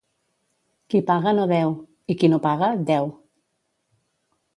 Qui paga, no deu; i qui no paga, deu.